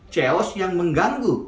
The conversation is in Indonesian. ceos yang mengganggu